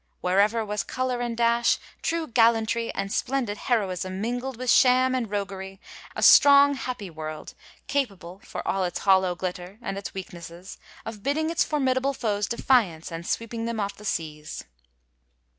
Everywhere was color and dash, true gallantry and splendid heroism mingled with sham and roguery, — a strong, happy world, capable, for all its hollow glitter, and its weaknesses, of bidding its formidable foes defiance and sweeping them off the seas.